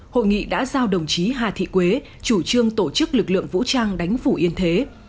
hội nghị đã giao đồng chí hà thị quế chủ trương tổ chức lực lượng vũ trang đánh phủ yên thế